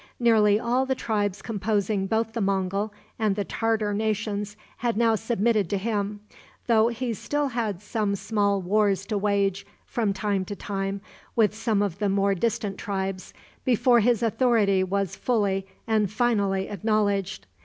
Nearly all the tribes composing both the Mongul and the Tartar nations had now submitted to him, though he still had some small wars to wage from time to time with some of the more distant tribes before his authority was fully and finally acknowledged.